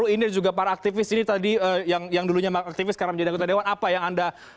ini juga para aktivis ini tadi yang yang dulunya maka aktivis karena menjaga dewan apa yang anda